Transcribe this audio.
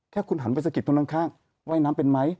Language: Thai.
ถ้าคุณหันไปสะกิดตรงด้านข้างว่ายน้ำเป็นไหม